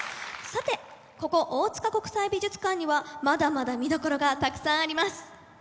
さてここ大塚国際美術館にはまだまだ見どころがたくさんあります。